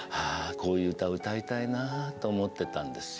こういう歌を歌いたいなと思ってたんですよ。